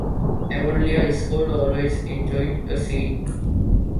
Avonlea school always enjoyed a scene.